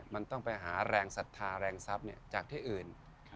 มันต้องไปหาแรงศรัทธาแรงทรัพย์จากที่อื่น